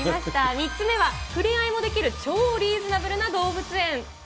３つ目は、触れ合いもできる超リーズナブルな動物園。